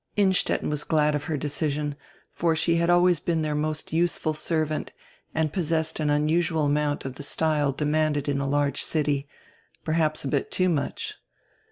Innstetten was glad of her decision, for she had always been dieir most useful servant and possessed an unusual amount of die style demanded in a large city, perhaps a bit too much.